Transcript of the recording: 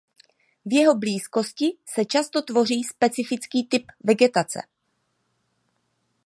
V jeho blízkosti se často tvoří specifický typ vegetace.